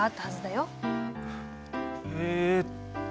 えっと。